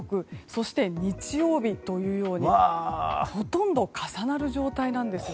そして、日曜日というようにほとんど重なる状態なんです。